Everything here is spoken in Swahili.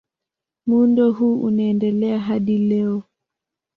Muundo huu unaendelea hadi leo.